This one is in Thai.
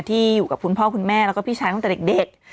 ที่อยู่กับคุณพ่อคุณแม่แล้วก็พี่ชายตั้งแต่เด็ก